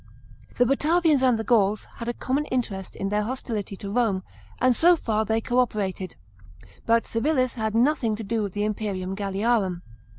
The Batavians and the Gauls had a common interest in their hostility to Rome, and so far they co operated; but Civilis had nothing to do with the imperium Q alliarum.